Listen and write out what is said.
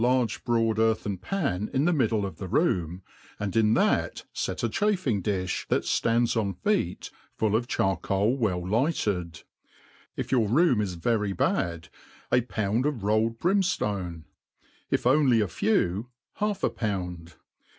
large broad earthen pan in the middle of the rooni, and in that fet a chafing difh that ftands on feet, full of char coal well lighted. If your room is very bad, a pound of rolled brimftone; if only a few, half a pound.